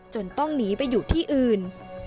ต้องหนีไปอยู่ที่อื่น